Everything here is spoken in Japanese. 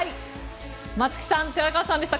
松木さん寺川さんでした。